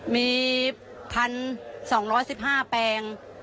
มี๑๒๑๕แปลง